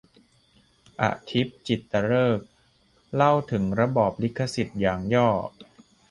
อธิป จิตตฤกษ์ เล่าถึงระบอบลิขสิทธิ์อย่างย่อ